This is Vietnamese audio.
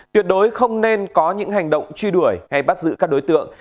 tuyệt đối không nên có những hành động truy đuổi hay bắt giữ các đối tượng